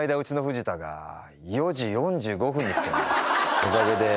おかげで。